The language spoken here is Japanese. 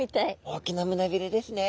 大きな胸びれですね。